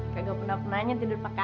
kagak pernah pernanya tidur pakai ac